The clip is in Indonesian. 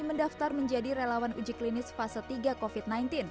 mendaftar menjadi relawan uji klinis fase tiga covid sembilan belas